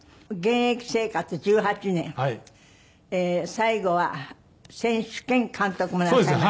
最後は選手兼監督もなさいました。